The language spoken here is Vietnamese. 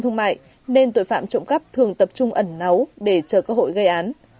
trung tâm thương mại nên tội phạm trộm cắp thường tập trung ẩn nấu để chờ cơ hội gây án